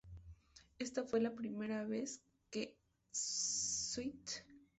Esta fue la primera vez que St.